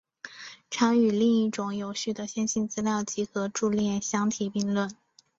常与另一种有序的线性资料集合伫列相提并论。